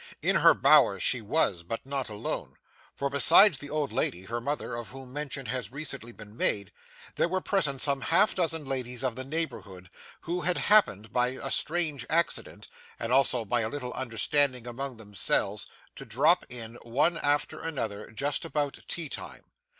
In her bower she was, but not alone, for besides the old lady her mother of whom mention has recently been made, there were present some half dozen ladies of the neighborhood who had happened by a strange accident (and also by a little understanding among themselves) to drop in one after another, just about tea time.